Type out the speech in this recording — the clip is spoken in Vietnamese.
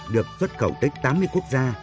được xuất khẩu tới tám mươi quốc gia